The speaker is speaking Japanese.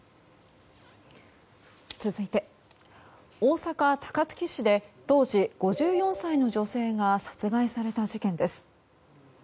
続いて、大阪・高槻市で当時、５４歳の女性が殺害された事件です。